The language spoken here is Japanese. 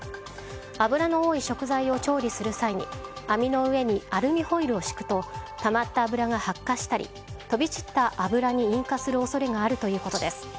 脂の多い食材を調理する際に網の上にアルミホイルを敷くとたまった脂が発火したり飛び散った脂に引火する恐れがあるということです。